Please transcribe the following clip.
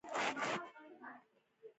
د خبرو په ترڅ کې دروغ تحقیق ته اشاره وکړه.